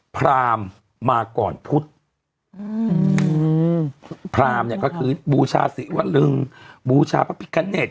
พรามมาก่อนพุทธอืมพรามเนี่ยก็คือบูชาศิวลึงบูชาพระพิกเนต